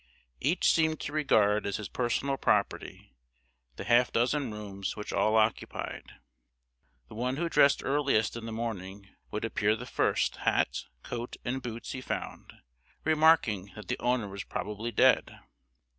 Each seemed to regard as his personal property the half dozen rooms which all occupied. The one who dressed earliest in the morning would appropriate the first hat, coat, and boots he found, remarking that the owner was probably dead.